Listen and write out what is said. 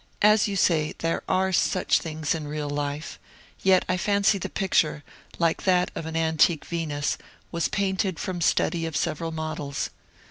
As you say, there are tuch things in real life, yet I fancy the picture, like that of an antique Venus, was painted from study of several models.